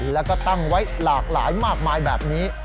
แล้วก็ตั้งไว้หลากหลายมากมายแบบนี้